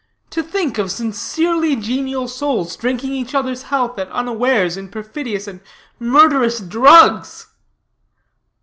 To think of sincerely genial souls drinking each other's health at unawares in perfidious and murderous drugs!"